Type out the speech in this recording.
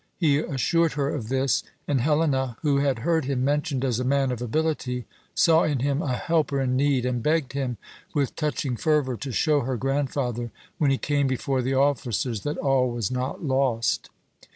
He assured her of this; and Helena, who had heard him mentioned as a man of ability, saw in him a helper in need, and begged him, with touching fervour, to show her grandfather, when he came before the officers, that all was not lost.